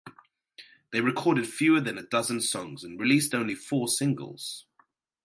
They recorded fewer than a dozen songs and released only four singles.